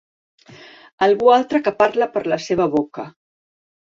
Algú altre que parla per la seva boca.